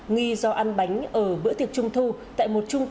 nghi do ăn bánh ở bữa tiệc trung thu tại một trung tâm